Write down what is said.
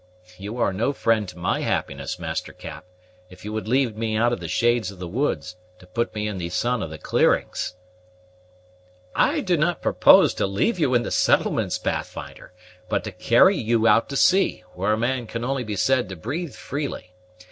You are no friend to my happiness, Master Cap, if you would lead me out of the shades of the woods to put me in the sun of the clearings." "I did not propose to leave you in the settlements, Pathfinder, but to carry you out to sea, where a man can only be said to breathe freely.